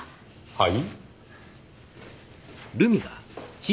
はい？